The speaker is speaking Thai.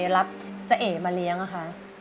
รับเจ๊มาเลี้ยงอ่ะคะ